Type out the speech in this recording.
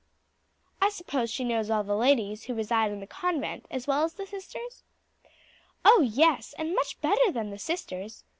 "I suppose she knows all the ladies who reside in the convent as well as the sisters?" "Oh, yes, and much better than the sisters!